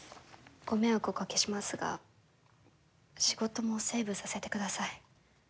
ご迷惑をおかけしますが仕事もセーブさせてください。